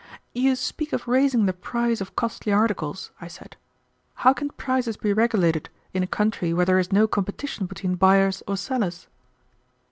"You speak of raising the price of costly articles," I said. "How can prices be regulated in a country where there is no competition between buyers or sellers?"